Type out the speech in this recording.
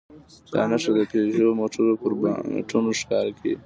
دا نښه د پيژو موټرو پر بانټونو ښکاري.